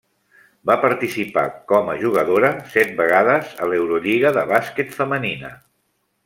Va participar, com a jugadora, set vegades a l'Eurolliga de bàsquet femenina.